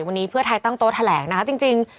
วันนี้เพื่อไทยตั้งโต๊ะแถลงนะคะจริง